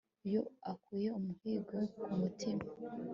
Iyo akuye umuhigo ku mutima